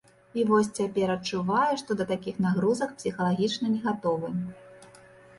І вось цяпер адчуваю, што да такіх нагрузак псіхалагічна не гатовы.